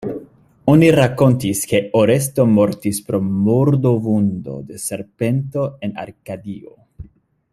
Oni rakontis ke Oresto mortis pro mordo-vundo de serpento en Arkadio.